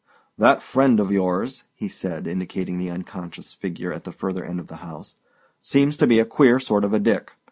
"That friend of yours," he said, indicating the unconscious figure at the further end of the house, "seems to be a queer sort of a Dick.